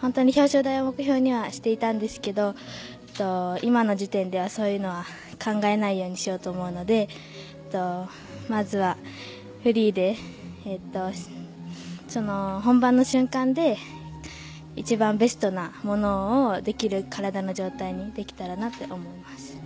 本当に表彰台を目標にはしていたんですが今の時点ではそういうのは考えないようにしようと思うのでまずはフリーで本番の瞬間で一番ベストなものをできる体の状態にできたらなと思います。